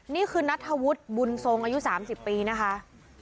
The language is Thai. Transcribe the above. นี่คือนัทธวุฒิบุญทรงอายุ๓๐ปีนะคะ